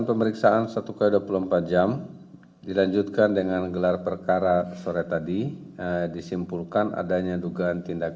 pemeriksaan satu x dua puluh empat jam dilanjutkan dengan gelar perkara sore tadi disimpulkan adanya dugaan tindak